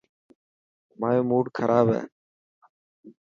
مايو موڊ کراب هي.